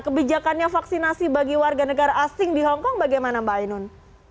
kebijakannya vaksinasi bagi warga negara asing di hongkong bagaimana mbak ainun